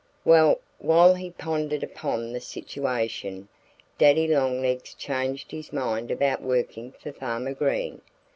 Well, while he pondered upon the situation Daddy Longlegs changed his mind about working for Farmer Green.